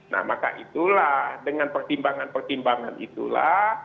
nah maka itulah dengan pertimbangan pertimbangan itulah